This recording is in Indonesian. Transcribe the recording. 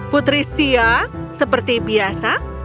putri sia seperti biasa